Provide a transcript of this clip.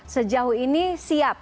sejauh ini siap